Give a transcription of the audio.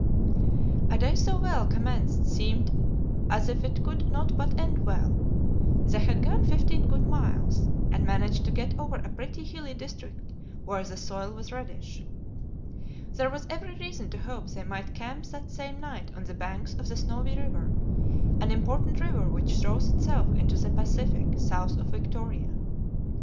A day so well commenced seemed as if it could not but end well; they had gone fifteen good miles, and managed to get over a pretty hilly district where the soil was reddish. There was every reason to hope they might camp that same night on the banks of the Snowy River, an important river which throws itself into the Pacific, south of Victoria.